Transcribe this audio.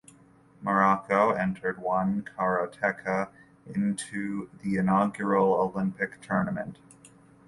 Morocco entered one karateka into the inaugural Olympic tournament.